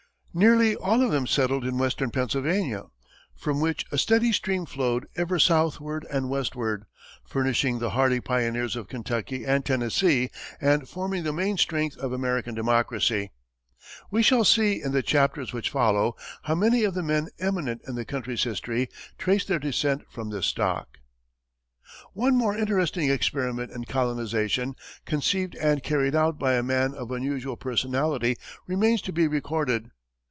Nearly all of them settled in Western Pennsylvania, from which a steady stream flowed ever southward and westward, furnishing the hardy pioneers of Kentucky and Tennessee, and forming the main strength of American democracy. We shall see, in the chapters which follow, how many of the men eminent in the country's history, traced their descent from this stock. One more interesting experiment in colonization, conceived and carried out by a man of unusual personality, remains to be recorded.